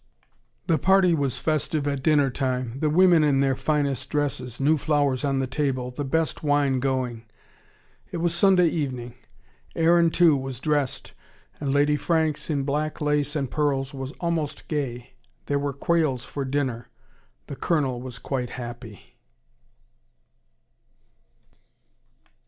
............... The party was festive at dinner time, the women in their finest dresses, new flowers on the table, the best wine going. It was Sunday evening. Aaron too was dressed and Lady Franks, in black lace and pearls, was almost gay. There were quails for dinner. The Colonel was quite happy.